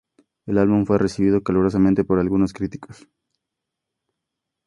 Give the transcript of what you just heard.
El álbum fue recibido calurosamente por algunos críticos.